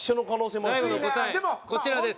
こちらです。